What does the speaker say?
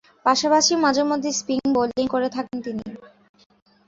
পাশাপাশি মাঝে-মধ্যে spin bowling করে থাকেন তিনি।